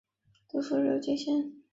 祖父刘敬先。